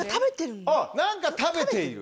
何か食べている。